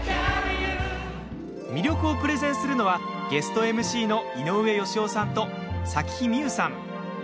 魅力をプレゼンするのはゲストＭＣの井上芳雄さんと咲妃みゆさん。